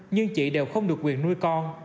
nhưng chị đều không được quyền nuôi con